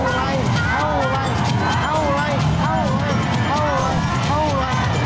เท่าไหร่